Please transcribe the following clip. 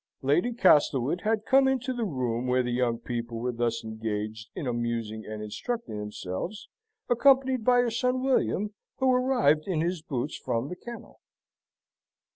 Lady Castlewood had come into the room where the young people were thus engaged in amusing and instructing themselves, accompanied by her son William, who arrived in his boots from the kennel.